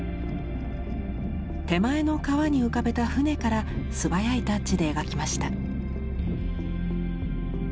手前の川に浮かべた舟から素早いタッチで描きました。